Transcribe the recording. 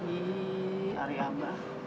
ih ari abah